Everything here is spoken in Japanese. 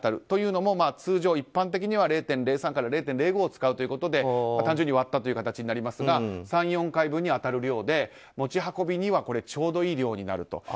というのも通常、一般的には０．０３から０．０５を使うということで単純に割ったという形になりますが３４回分に当たる量で持ち運びにはちょうどいい量になると。